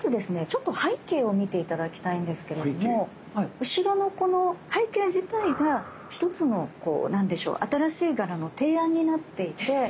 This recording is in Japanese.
ちょっと背景を見て頂きたいんですけれども後ろのこの背景自体が一つのこう何でしょう新しい柄の提案になっていて。